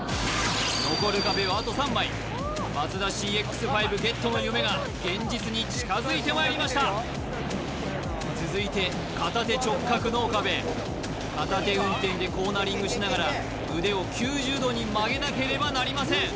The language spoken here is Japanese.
残る壁はあと３枚ＭＡＺＤＡＣＸ−５ゲットの夢が現実に近づいてまいりました続いて片手直角脳かべ片手運転でコーナリングしながら腕を９０度に曲げなければなりません